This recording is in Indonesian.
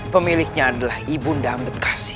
pemiliknya adalah ibu ndametkasi